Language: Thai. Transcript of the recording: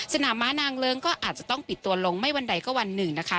สนามม้านางเลิ้งก็อาจจะต้องปิดตัวลงไม่วันใดก็วันหนึ่งนะคะ